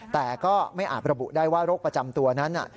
แต่ก็ไม่อาจระบุได้ว่าโรคประจำตัวนั้น